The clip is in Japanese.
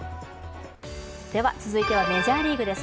では、続いてはメジャーリーグです